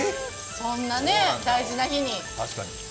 そんな大事な日にね。